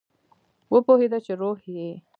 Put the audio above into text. وپوهیده چې روح یې